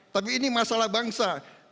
tapi ini masalah bangsa